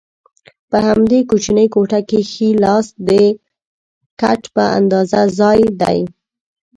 په همدې کوچنۍ کوټه کې ښي لاسته د کټ په اندازه ځای دی.